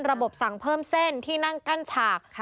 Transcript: ระบบสั่งเพิ่มเส้นที่นั่งกั้นฉาก